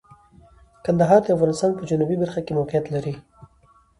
کندهار د افغانستان په جنوبی برخه کې موقعیت لري.